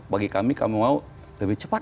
bagi kami kamu mau lebih cepat